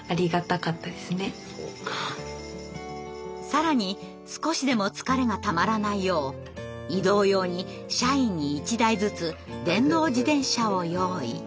更に少しでも疲れがたまらないよう移動用に社員に１台ずつ電動自転車を用意。